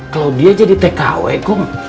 claudia jadi tkw kom